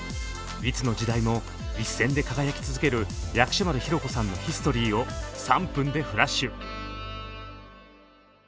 いつの時代も一線で輝き続ける薬師丸ひろ子さんのヒストリーを３分でフラッシュ！